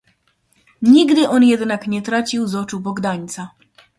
"Nigdy on jednak nie tracił z oczu Bogdańca."